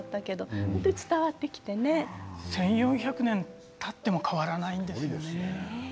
１４００年たっても変わらないんですよね。